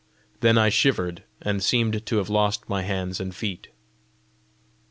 Then I shivered, and seemed to have lost my hands and feet.